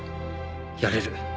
やれる。